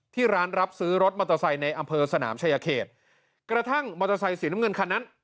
ที่ร้านรับซื้อรถมอเตอร์ไซค์ในอำเภอสนามชายเขตกระทั่งมอเตอร์ไซสีน้ำเงินคันนั้น